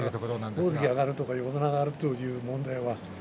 大関に上がるとか横綱に上がるという問題は。